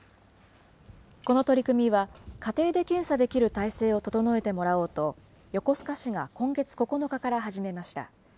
この取り組みは家庭で検査できる態勢を整えてもらおうと、横須賀市が今月９日から始めました。